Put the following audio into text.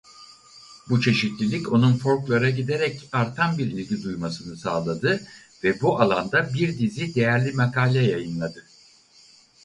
Bu çeşitlilik onun folklora giderek artan bir ilgi duymasını sağladı ve bu alanda bir dizi değerli makale yayınladı.